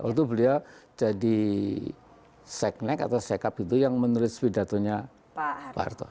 waktu beliau jadi seknek atau sekap itu yang menulis pidatonya pak harto